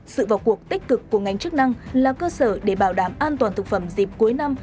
sự vào cuộc tích cực của ngành chức năng là cơ sở để bảo đảm an toàn thực phẩm dịp cuối năm